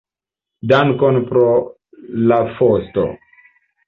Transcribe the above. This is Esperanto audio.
Dankon pro la fosto.